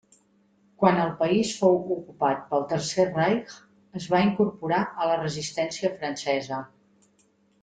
Quan el país fou ocupat pel Tercer Reich es va incorporar a la resistència francesa.